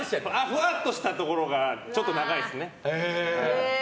ふわっとしたところがちょっと長いですね。